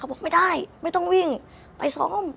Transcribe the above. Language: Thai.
บอกไม่ได้ไม่ต้องวิ่งไปซ่อม